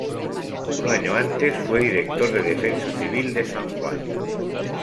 Un año antes fue director de defensa civil de San Juan.